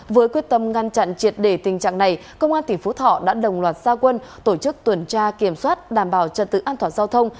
với quyết tâm ngăn chặn triệt đề tình trạng này công an tp thỏ đã đồng loạt gia quân tổ chức tuần tra kiểm soát đảm bảo trật tự an toàn giao thông